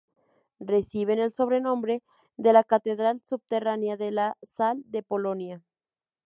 Reciben el sobrenombre de "la catedral subterránea de la sal de Polonia".